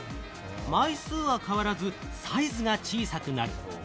枚数は変わらずサイズが小さくなる。